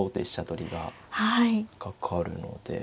取りがかかるので。